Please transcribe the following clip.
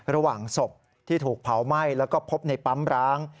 ระหว่างศพที่ถูกเผาไหม้แล้วก็พบในปั๊มร้าง